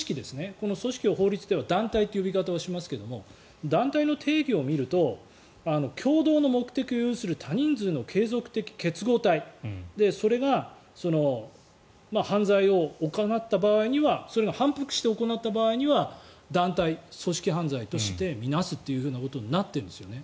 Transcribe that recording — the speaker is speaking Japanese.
この組織を法律では団体という呼び方をしますが団体の定義を見ると共同の目的を要する多人数の継続的結合体。それが犯罪を行った場合にはそれが反復して行った場合は団体、組織犯罪として見なすということになってるんですよね。